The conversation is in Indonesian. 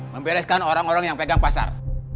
membereskan orang orang yang pegang pasar